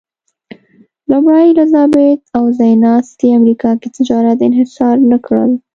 لومړۍ الیزابت او ځایناستي امریکا کې تجارت انحصار نه کړل.